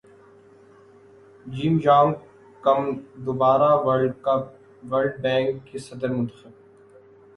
جم Yong Kim دوبارہ world bank کے صدر منتخب